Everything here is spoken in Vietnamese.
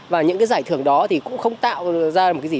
và những cái giải thưởng đó thì cũng không tạo ra một cái gì